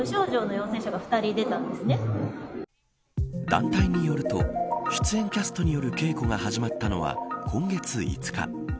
団体によると出演キャストによる稽古が始まったのは今月５日。